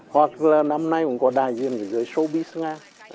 hoặc là năm nay cũng có đại diện dưới showbiz nga